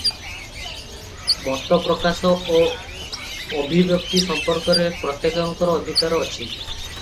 ମତ ପ୍ରକାଶ ଓ ଅଭିବ୍ୟକ୍ତି ସମ୍ପର୍କରେ ପ୍ରତ୍ୟେକଙ୍କର ଅଧିକାର ଅଛି ।